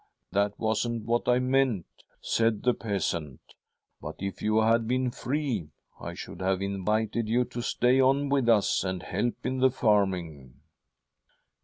' That wasn't what I meant,' said the peasant, ' but if you had been free, I should have invited you to stay on with us and help in the farming.'